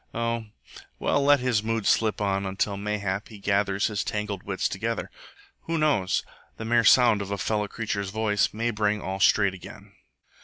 Oh, well, let his moods slip on, until, mayhap, he gathers his tangled wits together. Who knows? the mere sound of a fellow creature's voice may bring all straight again.